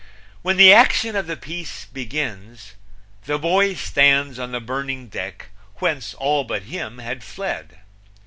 When the action of the piece begins the boy stands on the burning deck whence all but him had fled.